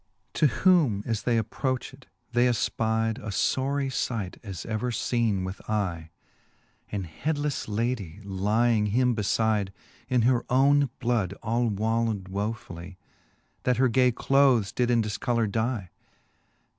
To whom as they approched, they efpide A fbrie fight, as ever feene with eye ; An headlefle ladie lying him befide, In her owne bloud all wallow'd wofully, That her gay clothes did in dilcolour die.